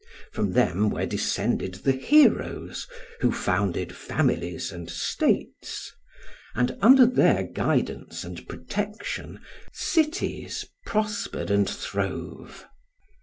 From them were descended the Heroes who founded families and states; and under their guidance and protection cities prospered and throve.